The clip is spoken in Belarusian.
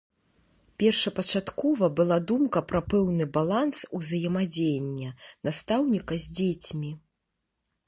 Першапачаткова была думка пра пэўны баланс узаемадзеяння настаўніка з дзецьмі.